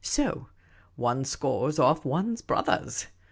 So one scores off"one 's brothers.